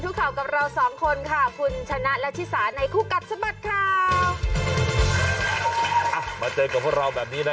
ทุกข่าวกับเรา๒คนที่ขาคุณชะนะและชี่สาในคู่กัตสบัดข่าวมาเจอกับพวกเราแบบนี้นะ